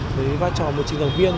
với vai trò một truyền hợp viên